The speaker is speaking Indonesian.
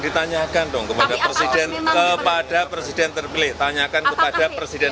ditanyakan dong kepada presiden kepada presiden terpilih tanyakan kepada presiden